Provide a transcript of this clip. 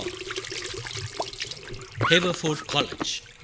1871. HAVERFORD COLLEGE.